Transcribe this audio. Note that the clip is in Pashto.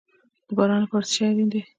د باران لپاره څه شی اړین دي؟